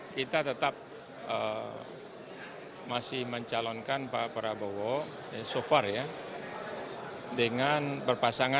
kita akan lanjutkan setelah juda pariwara